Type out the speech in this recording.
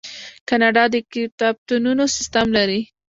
کاناډا د کتابتونونو سیستم لري.